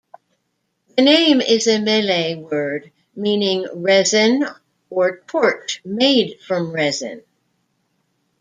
The name is a Malay word meaning 'resin' or 'torch made from resin'.